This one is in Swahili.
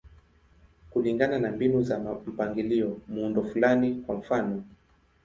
Kulingana na mbinu za mpangilio, muundo fulani, kwa mfano.